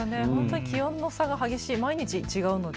気温の差が激しい、毎日違うので。